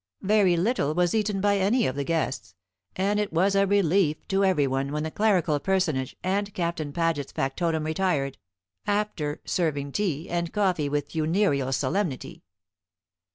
Very little was eaten by any of the guests, and it was a relief to every one when the clerical personage and Captain Paget's factotum retired, after serving tea and coffee with funereal solemnity.